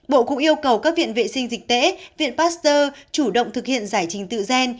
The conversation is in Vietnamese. bộ cũng yêu cầu các viện vệ sinh dịch tễ viện pasteur chủ động thực hiện giải trình tự gen